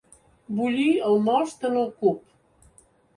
Bullir el most en el cup.